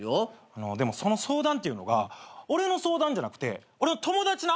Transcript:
でもその相談っていうのが俺の相談じゃなくて俺の友達な。